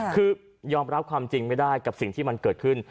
คือยอมรับความจริงไม่ได้กับสิ่งที่มันเกิดขึ้น